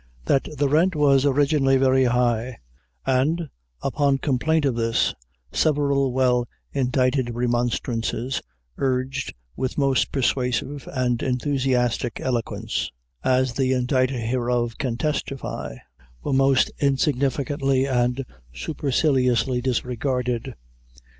That the rent was originally very high; and, upon complaint of this, several well indited remonstrances, urged with most persuasive and enthusiastic eloquence, as the inditer hereof can testify, were most insignificantly and superciliously disregarded.